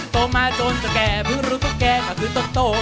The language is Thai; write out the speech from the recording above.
โตมาจนจะแก่พื้นรู้ทุกแก่ก็คือโต๊ะโต